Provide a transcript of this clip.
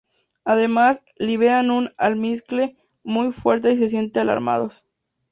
Además, liberan un almizcle muy fuerte si se sienten alarmados.